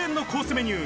メニュー。